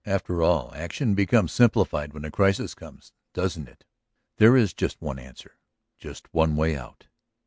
After all action becomes simplified when a crisis comes; doesn't it? There is just one answer, just one way out.